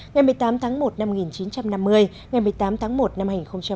ngày một mươi tám tháng một năm một nghìn chín trăm năm mươi ngày một mươi tám tháng một năm hai nghìn hai mươi